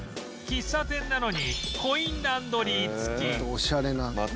喫茶店なのにコインランドリー付きまたオシャレな。